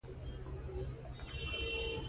پیره داران یې له تاسونه تاو راتاو دي.